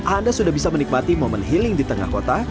anda sudah bisa menikmati momen healing di tengah kota